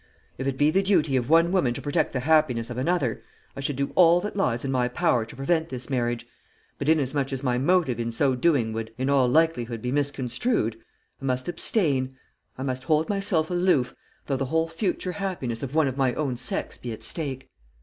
If it be the duty of one woman to protect the happiness of another, I should do all that lies in my power to prevent this marriage; but inasmuch as my motive in so doing would, in all likelihood, be misconstrued, I must abstain; I must hold myself aloof, though the whole future happiness of one of my own sex be at stake.